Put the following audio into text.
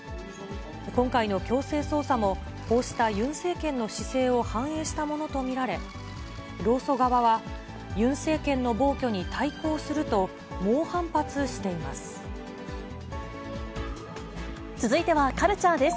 今回の強制捜査も、こうしたユン政権の姿勢を反映したものと見られ、労組側はユン政権の暴挙に対抗すると猛反発しています。